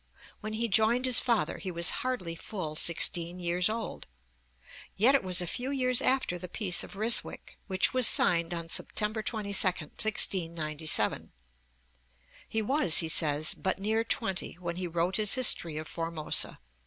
When he joined his father he was 'hardly full sixteen years old' (p. 112); yet it was a few years after the Peace of Ryswick, which was signed on September 22, 1697. He was, he says, 'but near twenty' when he wrote his History of Formosa (p.